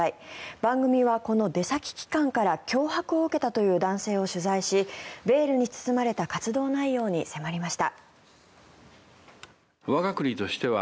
番組は、この出先機関から脅迫を受けたという男性を取材しベールに包まれた活動内容に迫りました。